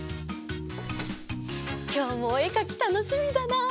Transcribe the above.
きょうもおえかきたのしみだな！